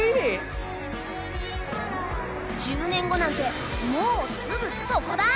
「１０年後」なんてもうすぐそこだ！